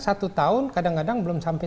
satu tahun kadang kadang belum sampai